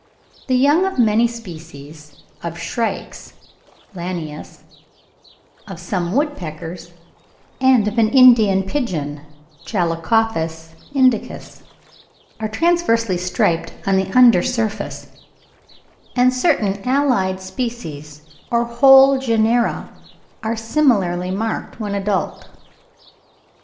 The young of many species of shrikes (Lanius), of some woodpeckers, and of an Indian pigeon (Chalcophaps indicus), are transversely striped on the under surface; and certain allied species or whole genera are similarly marked when adult.